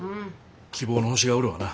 希望の星がおるわな。